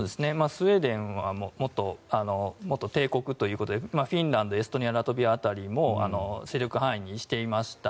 スウェーデンは元帝国ということでフィンランド、エストニアラトビア辺りも勢力範囲にしていました。